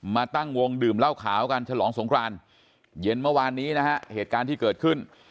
มาตั้งวงดื่มเหล้าขาวกันฉลองสงครานเย็นเมื่อวานนี้นะฮะเหตุการณ์ที่เกิดขึ้น